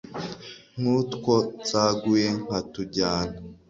Nkutwo nsaguye nkatujyana